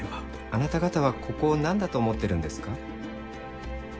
あなた方はここをなんだと思ってるんですか？